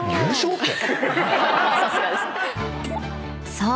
［そう。